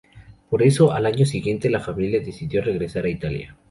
Por eso, al año siguiente la familia decidió regresar a Italia.